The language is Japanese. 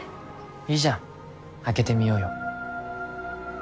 いいじゃん開けてみようよ。